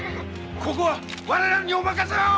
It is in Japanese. ここは我らにお任せを！